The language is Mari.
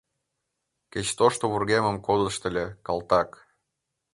Кеч тошто вургемем кодышт ыле, калтак.